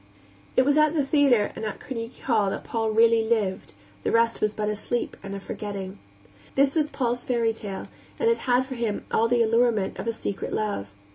It was at the theater and at Carnegie Hall that Paul really lived; the rest was but a sleep and a forgetting. This was Paul's fairy tale, and it had for him all the allurement of a secret love.